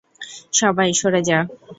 সবাই, সরে যা।